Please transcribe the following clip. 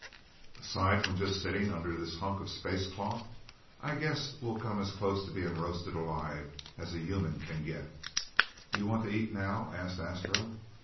"Aside from just sitting under this hunk of space cloth, I guess we'll come as close to being roasted alive as a human can get." "You want to eat now?" asked Astro.